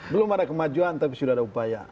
belum ada kemajuan tapi sudah ada upaya